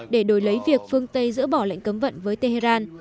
để đổi lấy việc phương tây dỡ bỏ lệnh cấm vận với tehran